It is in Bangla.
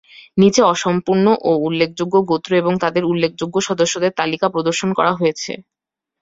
নিচে অসম্পূর্ণ ও উল্লেখযোগ্য গোত্র এবং তাদের উল্লেখযোগ্য সদস্যদের তালিকা প্রদর্শন করা হয়েছে।